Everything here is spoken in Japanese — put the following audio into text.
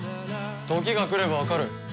時が来ればわかる。